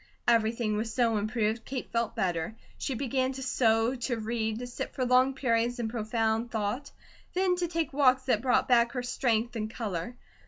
Everything was so improved, Kate felt better. She began to sew, to read, to sit for long periods in profound thought, then to take walks that brought back her strength and colour.